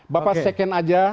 bapak second aja